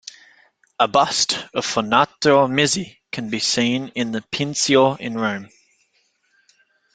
A bust of Fortunato Mizzi can be seen in the Pincio in Rome.